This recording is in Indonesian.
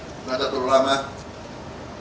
bersama sama kita bangun bangsa indonesia